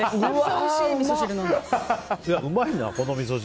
うまいな、このみそ汁。